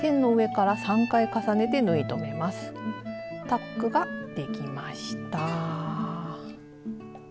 タックができました。